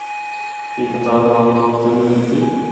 اے کتاب عام طور تے نیں ملدی۔